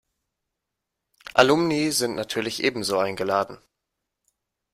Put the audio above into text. Alumni sind natürlich ebenso eingeladen.